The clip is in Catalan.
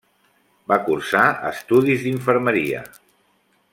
Va cursar estudis d'infermeria.